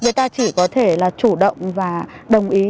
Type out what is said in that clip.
người ta chỉ có thể là chủ động và đồng ý